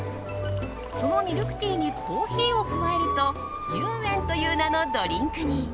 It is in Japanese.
そのミルクティーにコーヒーを加えるとユンエンという名のドリンクに。